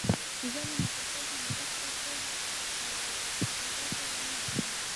زه له نقاشۍ، هنري توکیو، خطاطۍ سره مینه لرم.